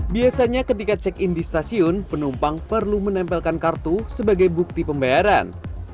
biasanya ketika check in di stasiun penumpang perlu menempelkan kartu sebagai bukti pembayaran